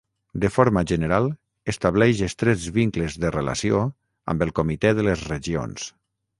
De forma general estableix estrets vincles de relació amb el Comitè de les Regions.